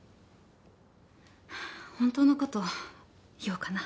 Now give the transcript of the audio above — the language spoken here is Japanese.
ホントのこと言おうかな。